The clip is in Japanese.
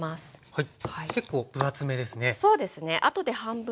はい。